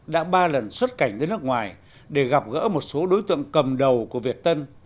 đã ba lần xuất cảnh ra nước ngoài để gặp gỡ một số đối tượng cầm đầu của việt tân